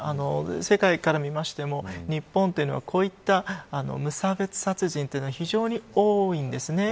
世界から見ましても日本というのはこういった無差別殺人というのは非常に多いんですね。